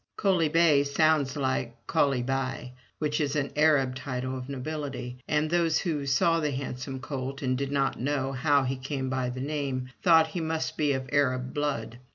"Coaly bay" sounds like *'Kolibey,'' which is an Arab title of nobility, and those who saw the handsome colt, and did not know how he came by the name, thought he must be of Arab blood.